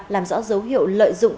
làm rõ dấu hiệu lợi dụng